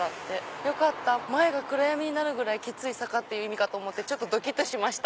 よかった前が暗闇になるぐらいきつい坂って意味かと思ってちょっとドキっとしました。